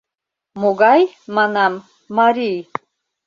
Могай, манам, марий?